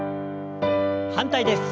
反対です。